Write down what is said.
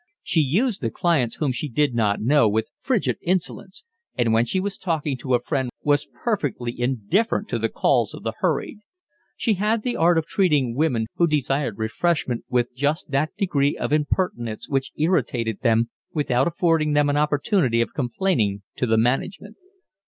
She used the clients whom she did not know with frigid insolence, and when she was talking to a friend was perfectly indifferent to the calls of the hurried. She had the art of treating women who desired refreshment with just that degree of impertinence which irritated them without affording them an opportunity of complaining to the management.